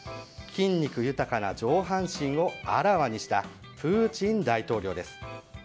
筋肉豊かな上半身をあらわにしたプーチン大統領です。